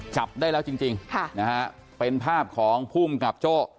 จับได้แล้วจริงจริงค่ะนะฮะเป็นภาพของภูมิกับโจ้